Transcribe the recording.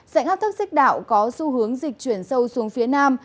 dạng hấp thấp xích đạo có xu hướng dịch chuyển sâu xuống phía nam